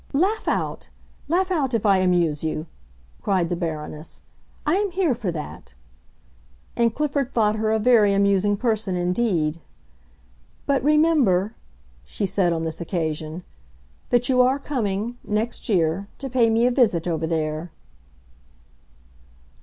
"Laugh out, laugh out, if I amuse you!" cried the Baroness. "I am here for that!" And Clifford thought her a very amusing person indeed. "But remember," she said on this occasion, "that you are coming—next year—to pay me a visit over there."